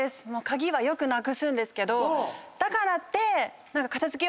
鍵はよくなくすんですけどだからって。